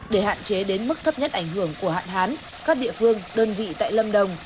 để hạn chế đến mức thấp nhất ảnh hưởng của hạn hán các địa phương đơn vị tại lâm đồng